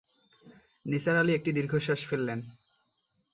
নিসার আলি একটি দীর্ঘশ্বাস ফেললেন।